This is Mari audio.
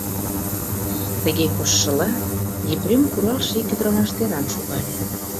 Тыге коштшыла, Епрем куралше ик ӱдырамаш деран шогале.